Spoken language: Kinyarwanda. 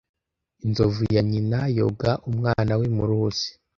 Inzovu ya nyina yoga umwana we mu ruzi.